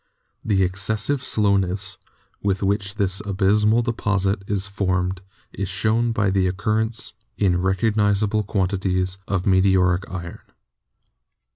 The ex cessive slowness with which this abyssmal deposit is formed is shown by the occurrence in recognisable quan tities of meteoric iron.